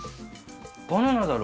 バナナだろ？